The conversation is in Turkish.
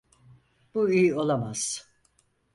Bu iyi olamaz.